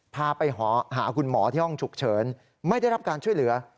พาไปหาคุณหมอที่ห้องฉุกเฉินไม่ได้รับการช่วยเหลือ